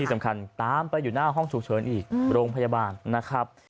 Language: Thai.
สำคัญตามไปอยู่หน้าห้องฉุกเฉินอีกโรงพยาบาลนะครับ